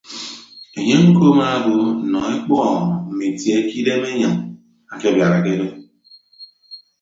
Enye ñko amaabo nọ ekpәho mme itie ke idem enyin akebiarake do.